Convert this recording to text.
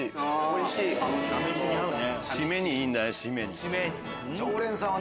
おいしいわ！